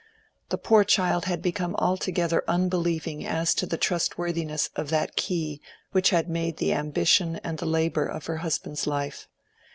The poor child had become altogether unbelieving as to the trustworthiness of that Key which had made the ambition and the labor of her husband's life.